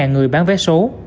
hai mươi người bán vé số